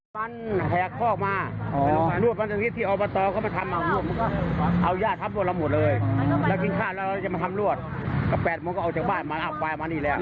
มันไปดูตัวเราไม่รู้เราก็ลาดพวกนี้ออกมาแล้ว